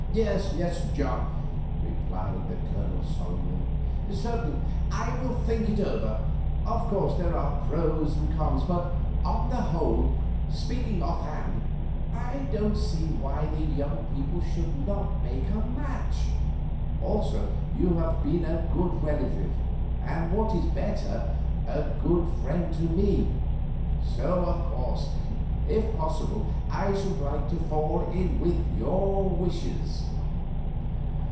"Yes, John," replied the Colonel, solemnly; "certainly I will think it over. Of course, there are pros and cons, but, on the whole, speaking offhand, I don't see why the young people should not make a match. Also you have always been a good relative, and, what is better, a good friend to me, so, of course, if possible I should like to fall in with your wishes."